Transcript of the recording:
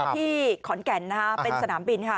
ที่ขอนแก่นเป็นสนามบินค่ะ